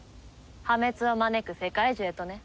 破滅を招く世界樹へとね。